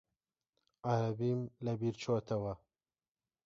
عەرەبیم لەبیر چۆتەوە.